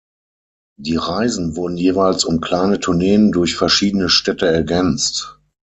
Die Reisen wurden jeweils um kleine Tourneen durch verschiedene Städte ergänzt.